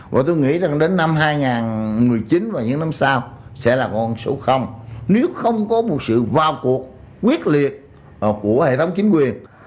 và tôi nghĩ rằng đến năm hai nghìn một mươi chín và những năm sau sẽ là con số nếu không có một sự vào cuộc quyết liệt của hệ thống chính quyền